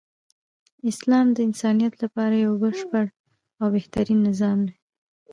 اسلام د انسانیت لپاره یو بشپړ او بهترین نظام دی .